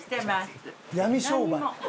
闇商売。